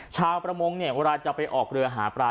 ชาวประมงเนี่ยเวลาจะไปออกเรือหาปลา